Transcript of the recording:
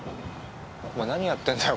お前何やってんだよ？